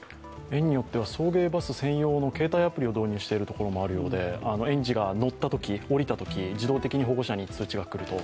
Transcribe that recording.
園によっては送迎バス専用の携帯アプリを導入しているところもあるようで園児が乗ったとき、降りたとき自動的に保護者に通知が来ると。